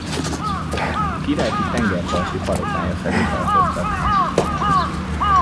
A királyfi tengerparti palotája felé tartottak.